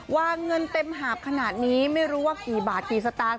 วางเงินเต็มหาบขนาดนี้ไม่รู้ว่ากี่บาทกี่สตางค